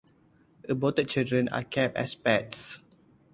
Aborted children are kept as pets.